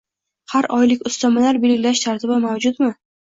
har oylik ustamalar belgilash tartibi mavjudmi?